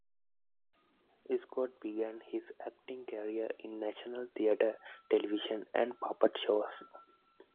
Scott began his acting career in national theatre, television, and puppet shows.